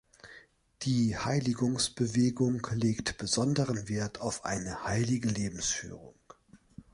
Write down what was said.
Die Heiligungsbewegung legt besonderen Wert auf eine heilige Lebensführung.